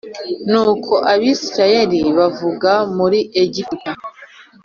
Ubwo Abisirayeli bavaga muri Egiputa